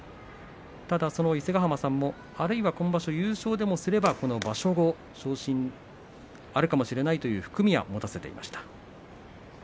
伊勢ヶ濱さんも今場所優勝でもすれば場所後、昇進はあるかもしれないという含みは持たせていました。